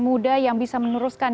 muda yang bisa meneruskan